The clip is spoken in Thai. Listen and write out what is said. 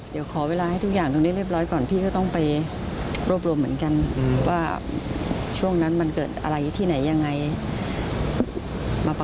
แล้วคุณบัญญินต์ได้โต้ตอบยังไงครับ